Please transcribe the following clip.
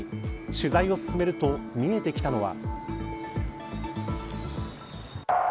取材を進めると見えてきたのは。